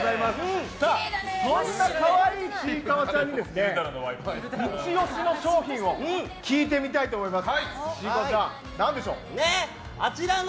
こんな可愛い、ちいかわちゃんにイチ押しの商品を聞いてみたいと思います。